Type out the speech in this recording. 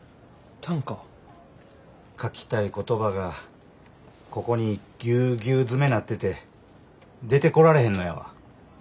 書きたい言葉がここにぎゅうぎゅう詰めなってて出てこられへんのやわ。